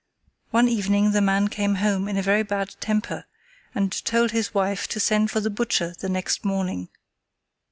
One evening the man came home in a very bad temper and told his wife to send for the butcher the next morning.